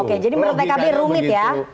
oke jadi menurut pkb rumit ya